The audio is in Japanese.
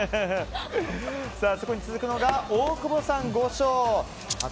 そこに続くのが大久保さん５勝。